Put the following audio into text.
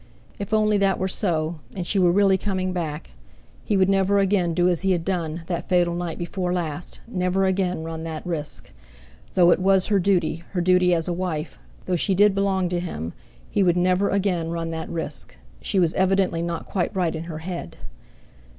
If only that were so, and she were really coming back, he would never again do as he had done that fatal night before last, never again run that risk—though it was her duty, her duty as a wife; though she did belong to him—he would never again run that risk; she was evidently not quite right in her head!